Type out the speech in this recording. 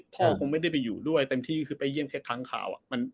คงไม่ได้ไปอยู่ด้วยเต็มที่ก็คือไปเยี่ยมแค่ครั้งข่าว